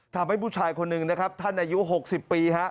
ทำให้ผู้ชายคนหนึ่งนะครับท่านอายุ๖๐ปีฮะ